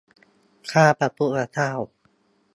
ข้าพระพุทธเจ้า